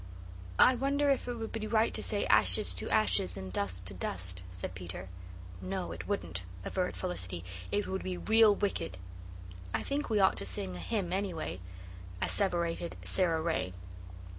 "I wonder if it would be right to say 'ashes to ashes and dust to dust,'" said Peter. "No, it wouldn't," averred Felicity. "It would be real wicked." "I think we ought to sing a hymn, anyway," asseverated Sara Ray.